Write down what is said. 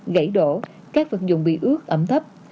gãy đổ các vật dụng bị ướt ẩm thấp